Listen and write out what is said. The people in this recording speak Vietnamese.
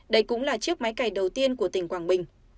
đây cũng là chiếc máy cày đầu tiên của tỉnh quảng bình